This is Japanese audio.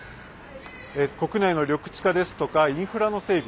国内の緑地化ですとかインフラの整備